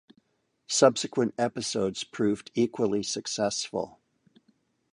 Subsequent episodes proved equally successful.